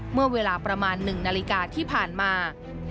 เมื่อเวลาประมาณ๑นาฬิกาที่ผ่านมา